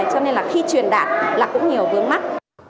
cho nên là khi truyền đạt là cũng nhiều vướng mắt